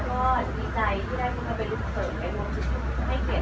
แล้วก็มีใจได้เพื่อทำเป็นฤทธิ์ส่วนใหญ่